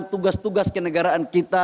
tugas tugas kenegaraan kita